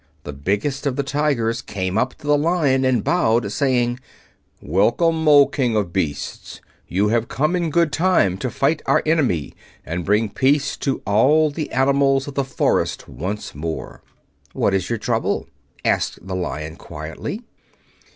The biggest of the tigers came up to the Lion and bowed, saying: "Welcome, O King of Beasts! You have come in good time to fight our enemy and bring peace to all the animals of the forest once more." "What is your trouble?" asked the Lion quietly.